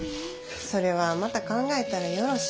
それはまた考えたらよろし。